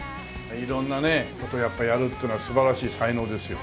色んな事をやっぱやるってのは素晴らしい才能ですよ。